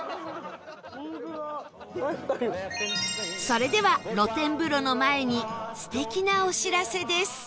それでは露天風呂の前に素敵なお知らせです